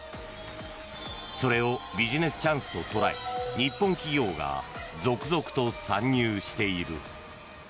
それをビジネスチャンスと捉え日本企業が続々と参入している。